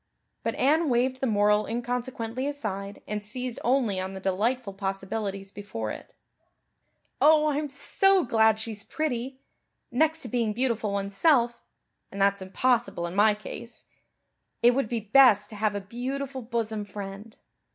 But Anne waved the moral inconsequently aside and seized only on the delightful possibilities before it. "Oh, I'm so glad she's pretty. Next to being beautiful oneself and that's impossible in my case it would be best to have a beautiful bosom friend.